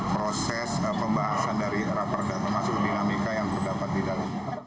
proses pembahasan dari raperda termasuk dinamika yang terdapat di dalam